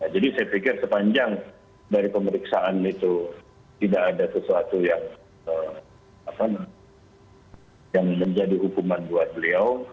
jadi saya pikir sepanjang dari pemeriksaan itu tidak ada sesuatu yang menjadi hukuman buat beliau